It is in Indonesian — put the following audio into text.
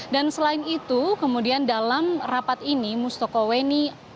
dan selain itu kemudian dalam rapat ini mustoko weni